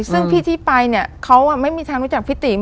ซึ่งพี่ที่ไปเนี่ยเขาไม่มีทางรู้จักพี่ติ๋ม